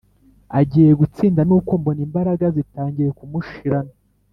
agiye gutsinda nuko mbona imbaraga zitangiye kumushirana.